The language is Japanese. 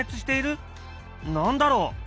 何だろう？